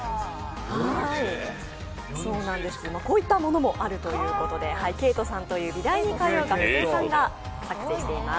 こういったものもあるということで慧人さんという美大に通う学生さんが作成しています。